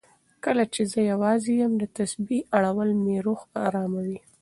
کله چې زه یوازې یم، د تسبېح اړول مې روح اراموي.